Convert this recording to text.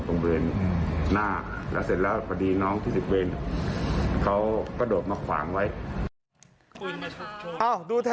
ตอนนั้นแกจะพักเข้าไปหรือ